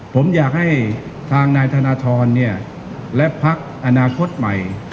ผมอยากให้ทางนายธนทรและพักอนาคตใหม่